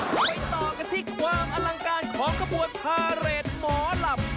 ไปต่อกันที่ความอลังการของขบวนพาเรทหมอลำ